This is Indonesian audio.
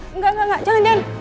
enggak enggak jangan jangan